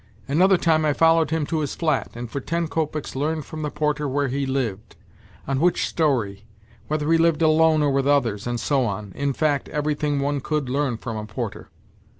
Another time I followed him to his flat, and for ten kopecks learned from the porter where he lived, on which storey, whether he b'ved alone or with others, and so on in fact, everything one could learn from a porter.